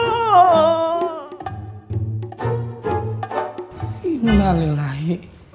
ibu malah lelahi